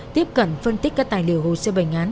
tiếp cận phân tích các tài liệu hồ sơ bệnh án